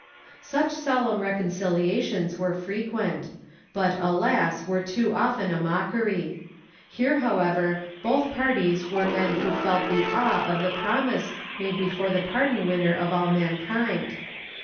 Such solemn reconciliations were frequent, but, alas were too often a mockery. Here, however, both parties were men who felt the awe of the promise made before the Pardon winner of all mankind.